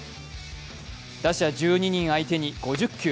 打者１２人相手に５０球。